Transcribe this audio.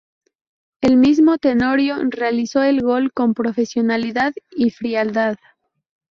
El mismo Tenorio realizó el gol con profesionalidad y frialdad.